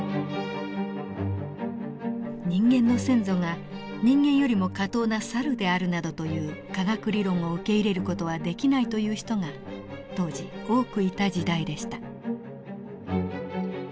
人間の先祖が人間よりも下等なサルであるなどという科学理論を受け入れる事はできないという人が当時多くいた時代でした。